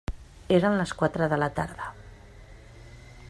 Eren les quatre de la tarda.